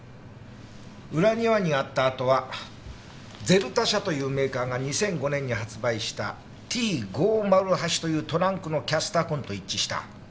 裏庭にあった跡はＺＥＬＴＡ社というメーカーが２００５年に発売したＴ５０８というトランクのキャスター痕と一致した。